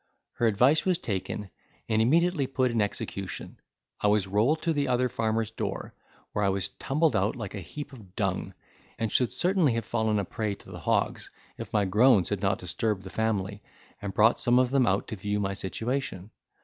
Her advice was taken, and immediately put in execution; I was rolled to the other farmer's door, where I was tumbled out like a heap of dung; and should certainly have fallen a prey to the hogs, if my groans had not disturbed the family, and brought some of them out to view my situation.